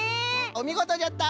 おみごとじゃった！